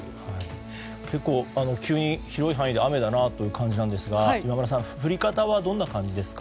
急に広い範囲で雨だなという感じですが今村さん、降り方はどんな感じですか？